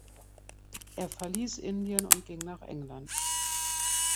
Er verließ Indien und ging nach England.